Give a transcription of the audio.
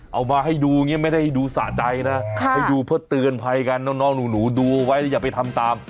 เอามาให้ดูไม่ได้ให้ดูสะใจนะให้ดูเพื่อเตือนภัยกันนอกหนูดูไว้อย่าไปทำตาม